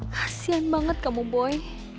kasian banget kamu boy